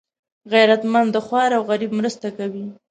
غیرتمند د خوار او غریب مرسته کوي